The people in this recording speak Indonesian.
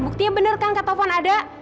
buktinya benar kan kak taufan ada